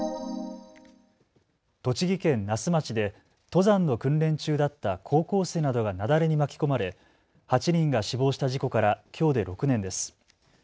栃木県那須町で登山の訓練中だった高校生などが雪崩に巻き込まれ、８人が死亡した事故から、きょうで６年です。